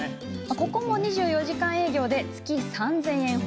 ここも２４時間営業で月３０００円程。